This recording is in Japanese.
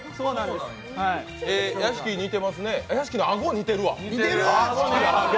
屋敷にてますね、屋敷のあご似てるわ。